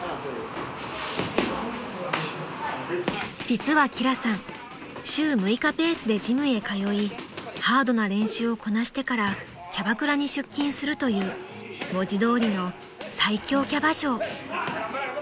［実は輝さん週６日ペースでジムへ通いハードな練習をこなしてからキャバクラに出勤するという文字どおりの最強キャバ嬢］